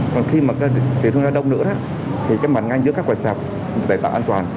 còn khi mà tiểu thương ra đông nữa thì cái mà ngang giữa các quầy sạp để tạo an toàn